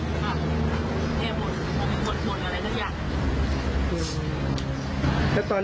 บนบนอะไรสักอย่าง